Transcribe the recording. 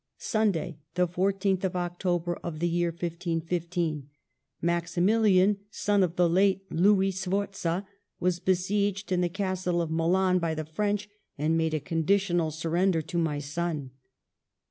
"Sunday, the 14th of October, of the year 15 15, Maximilian, son of the late Louis Sforza, was besieged in the Castle of Milan by the French, and made a conditional surrender to my son.